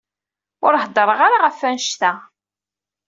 Ur heddṛeɣ ara ɣef annect-a.